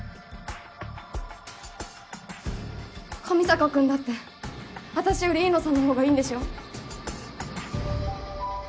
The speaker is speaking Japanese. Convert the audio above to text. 上坂君だって私より飯野さんの方がいいんでしょ？